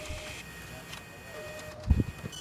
ماشومانو ته د حیا او عفت درس ورکړئ.